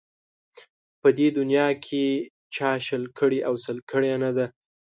په دې دنیا کې چا شل کړي او سل کړي نه ده